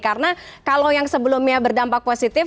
karena kalau yang sebelumnya berdampak positif